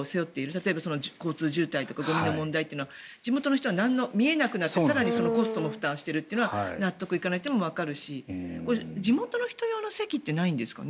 例えば交通渋滞、ゴミの問題は地元の人は見えなくなって更にそのコストも負担してるというのは納得いかないというのもわかるし地元の人用の席ってないんですかね。